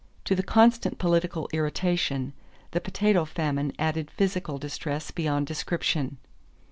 To the constant political irritation, the potato famine added physical distress beyond description.